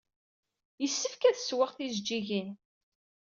Yessefk ad ssweɣ tijejjigin.